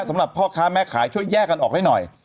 สำหรับพ่อค้าแม่ขายช่วยแยกกันออกให้หน่อย